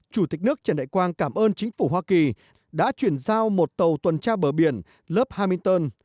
chủ tịch nước trần đại quang cảm ơn chính phủ hoa kỳ đã chuyển giao một tàu tuần tra bờ biển lớp haminston